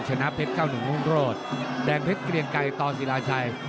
ชนะเพชร๙๑รุ่งโรศแดงเพชรเกรียงไกรต่อศิลาชัย